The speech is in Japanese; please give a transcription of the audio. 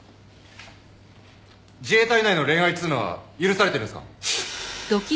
自衛隊内の恋愛っつうのは許されてるんすか？